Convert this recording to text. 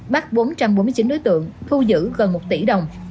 bắt bốn trăm bốn mươi chín đối tượng thu giữ gần một tỷ đồng